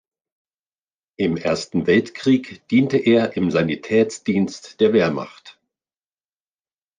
Im Ersten Weltkrieg diente er im Sanitätsdienst der Wehrmacht.